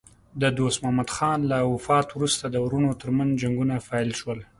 د دوست محمد خان له وفات وروسته د وروڼو ترمنځ جنګونه پیل شول.